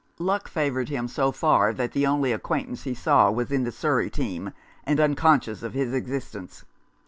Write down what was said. Luck favoured him so far that the only acquaint ance he saw was in the Surrey team, and uncon scious of his existence.